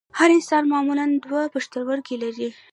هر انسان معمولاً دوه پښتورګي لري